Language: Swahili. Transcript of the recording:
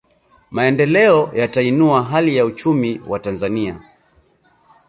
Maendeleo yatainua hali ya uchumi wa Watanzania